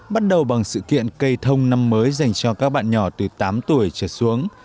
bắt đầu bằng sự kiện cây thông năm mới dành cho các bạn nhỏ từ tám tuổi trở xuống